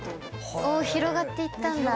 広がっていったんだ。